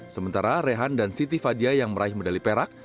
sementara rehan dan siti fadia yang meraih medali perak